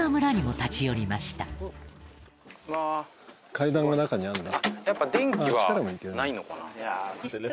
階段が中にあるんだ。